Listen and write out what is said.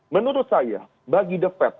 menurut saya bagi the fed